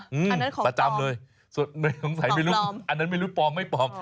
หรืออันนั้นของปลอมประจำเลยสุดมีคงใส่ไม่รู้อันนั้นไม่รู้ปลอมไม่ปลอม